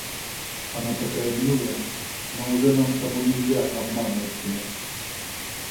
Она такая милая, но уже нам с тобою нельзя обманывать себя.